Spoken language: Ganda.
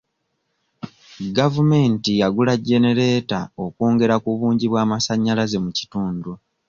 Gavumenti yagula genereeta okwongera ku bungi bw'amasanyalaze mu kitundu.